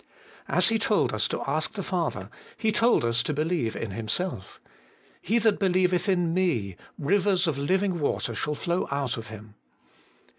As He told us to ask the Father, He told us to believe in Himself. ' He that believeth in me, rivers of living water shall flow out of him.'